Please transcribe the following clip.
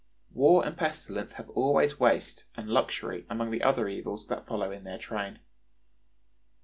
War and pestilence have always waste and luxury among the other evils that follow in their train.